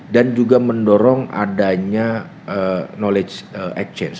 dan juga mendorong adanya knowledge exchange